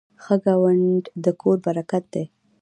ښه ګاونډ د کور برکت دی.